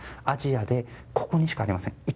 アジアでここにしかありません。